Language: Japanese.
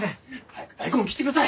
早く大根を切ってください。